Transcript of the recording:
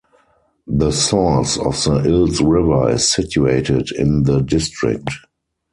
The source of the Ilz River is situated in the district.